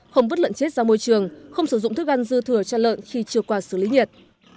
không vứt lợn chết ra môi trường không sử dụng thức ăn dư thừa cho lợn khi chưa qua xử lý nhiệt